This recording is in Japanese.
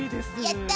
やった！